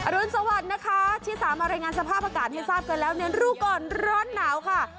รุนสวัสดิ์นะคะที่สามารถรายงานสภาพอากาศให้ทราบกันแล้วในรู้ก่อนร้อนหนาวค่ะ